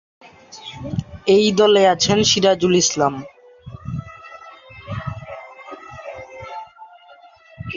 এই দলে আছেন সিরাজুল ইসলাম।